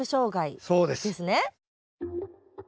そうです！ですね。